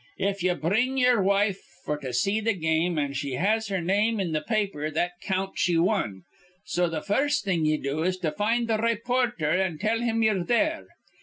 If ye bring ye'er wife f'r to see th' game, an' she has her name in th' paper, that counts ye wan. So th' first thing ye do is to find th' raypoorter, an' tell him ye're there.